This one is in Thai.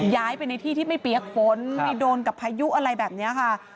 ย้ายไปในที่ที่ไม่เปี๊ยกฝนไม่โดนกับพายุอะไรแบบนี้ค่ะ